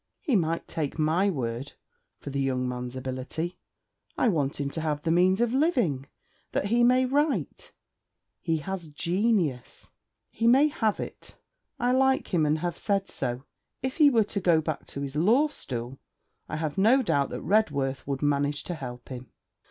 'He might take my word for the "young man's" ability. I want him to have the means of living, that he may write. He has genius.' 'He may have it. I like him, and have said so. If he were to go back to his law stool, I have no doubt that Redworth would manage to help him.'